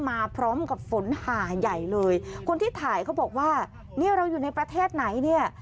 มาพร้อมกับฝนหาใหญ่เลยคนที่ถ่ายเขาบอกว่าเนี่ยเราอยู่ในประเทศไหนเนี่ย